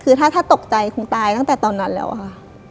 คือถ้าตกใจคงตายตั้งแต่ตอนนั้นแล้วค่ะ